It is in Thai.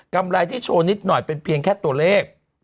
ไรที่โชว์นิดหน่อยเป็นเพียงแค่ตัวเลข